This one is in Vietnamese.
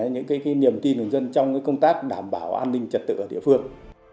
những cái niềm tin của nhân dân trong cái công tác đảm bảo an ninh trật tự ở địa phương